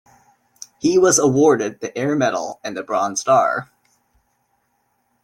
He was awarded the Air Medal and the Bronze Star.